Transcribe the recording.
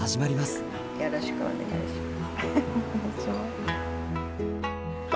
よろしくお願いします。